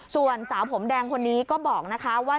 ส่วนสาวผมแดงคนนี้ก็บอกนะคะว่า